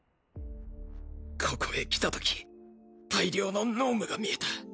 ここへ来た時大量の脳無が見えた。